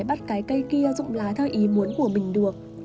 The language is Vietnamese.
bắt cái cây kia rụm lá theo ý muốn của mình được